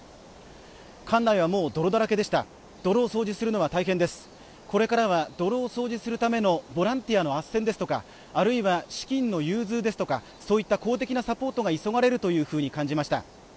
館内はもう泥だらけでした泥を掃除するのは大変ですこれからは泥を掃除するためのボランティアの斡旋ですとかあるいは資金の融通ですとかそういった公的なサポートが急がれるというふうに感じました